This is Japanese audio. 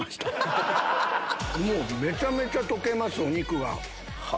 めちゃめちゃ溶けますお肉が。